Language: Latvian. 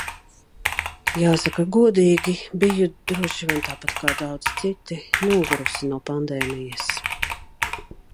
Jāsaka godīgi, biju – droši vien tāpat kā daudzi citi – nogurusi no pandēmijas.